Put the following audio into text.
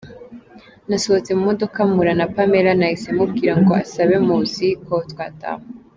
Nasohotse mu modoka mpura na Pamela, nahise mubwira ngo asabe Mowzey ko twataha.